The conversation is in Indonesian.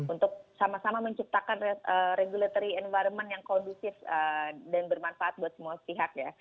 untuk sama sama menciptakan regulatory environment yang kondusif dan bermanfaat buat semua pihak ya